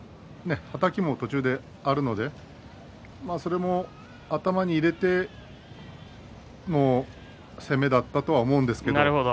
はたきも途中であるのでそれも頭に入れて攻めだったのだと思うんですけどね。